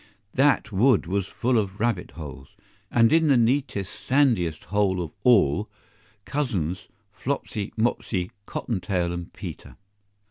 THAT wood was full of rabbit holes; and in the neatest sandiest hole of all, cousins Flopsy, Mopsy, Cotton tail and Peter.